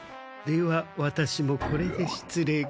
ではワタシもこれで失礼。